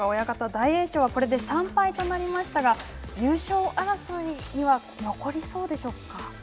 大栄翔はこれで３敗となりましたが優勝争いには残りそうでしょうか。